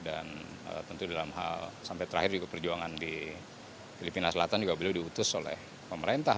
dan tentu dalam hal sampai terakhir juga perjuangan di filipina selatan juga beliau diutus oleh pemerintah